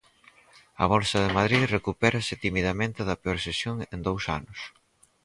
A Bolsa de Madrid recupérase timidamente da peor sesión en dous anos.